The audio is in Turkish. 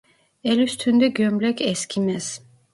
El üstünde gömlek eskimez.